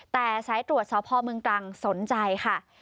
แต่สายตรวจสพเมืองตรังสนใจค่ะ